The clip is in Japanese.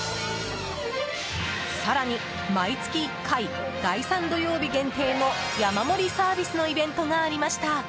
更に毎月１回、第３土曜日限定の山盛りサービスのイベントがありました。